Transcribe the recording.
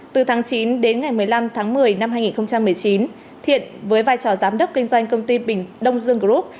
từ tháng chín đến ngày một mươi năm tháng một mươi năm hai nghìn một mươi chín thiện với vai trò giám đốc kinh doanh công ty bình đông dương group